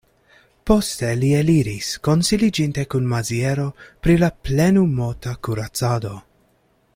Poste li eliris, konsiliĝinte kun Maziero pri la plenumota kuracado.